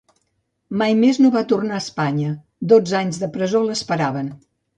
Mai més no va tornar a Espanya; dotze anys de presó l'esperaven.